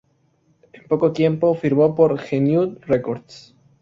En poco tiempo, firmó por G-Unit Records.